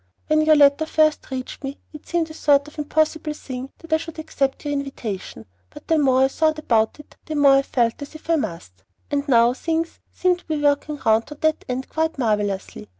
When your letter first reached me it seemed a sort of impossible thing that I should accept your invitation; but the more I thought about it the more I felt as if I must, and now things seem to be working round to that end quite marvellously.